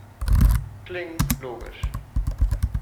Klingt logisch.